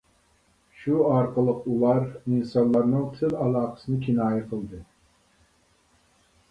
شۇ ئارقىلىق ئۇلار ئىنسانلارنىڭ تىل ئالاقىسىنى كىنايە قىلدى.